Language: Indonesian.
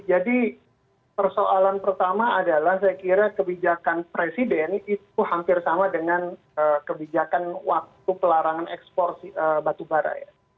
jadi persoalan pertama adalah saya kira kebijakan presiden itu hampir sama dengan kebijakan waktu pelarangan ekspor batu bara